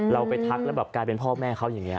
เราไปทักแล้วแบบกลายเป็นพ่อแม่เขาอย่างนี้